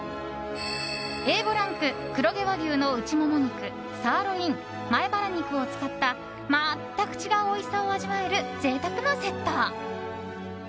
Ａ５ランク黒毛和牛の内もも肉サーロイン、前バラ肉を使った全く違うおいしさを味わえる贅沢なセット。